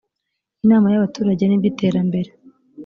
inama y abaturage n iby iterambere